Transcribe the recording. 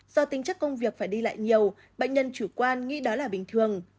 do tính chất công việc phải đi lại nhiều bệnh nhân chủ quan nghĩ đó là bình thường